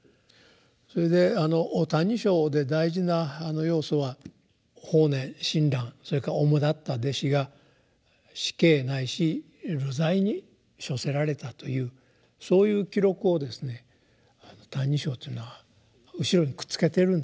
それで「歎異抄」で大事な要素は法然親鸞それからおもだった弟子が死刑ないし流罪に処せられたというそういう記録をですね「歎異抄」というのは後ろにくっつけているんですね。